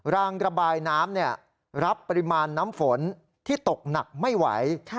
รางระบายน้ำรับปริมาณน้ำฝนที่ตกหนักไม่ไหว